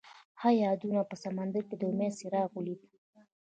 هغه د یادونه په سمندر کې د امید څراغ ولید.